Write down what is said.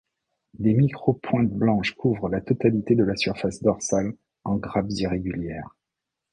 Des micro-pointes blanches couvrent la totalité de la surface dorsale en grappes irrégulières.